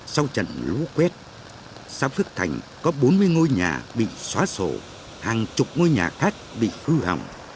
sau trận lũ quét xã phước thành có bốn mươi ngôi nhà bị xóa sổ hàng chục ngôi nhà khác bị hư hỏng